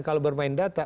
kalau bermain data